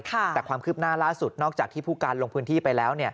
แต่ความคืบหน้าล่าสุดนอกจากที่ผู้การลงพื้นที่ไปแล้ว